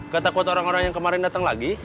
ketakut orang orang yang kemarin datang lagi